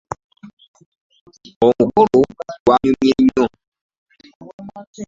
Omukolo gwanyumye nyo.